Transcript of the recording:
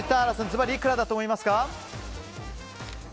ずばりいくらだと思いますか？